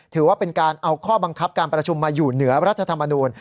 ถือว่าเป็นการเอาข้อบังคับการประชุมมาอยู่เหนือรัฐธรรมนูล